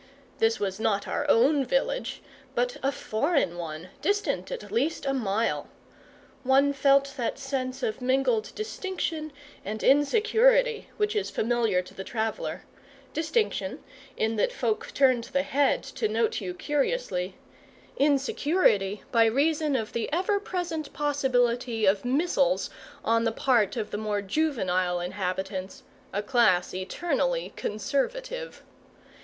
This was not our own village, but a foreign one, distant at least a mile. One felt that sense of mingled distinction and insecurity which is familiar to the traveller: distinction, in that folk turned the head to note you curiously; insecurity, by reason of the ever present possibility of missiles on the part of the more juvenile inhabitants, a class eternally conservative.